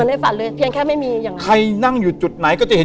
ในฝันเลยเพียงแค่ไม่มีอย่างนั้นใครนั่งอยู่จุดไหนก็จะเห็น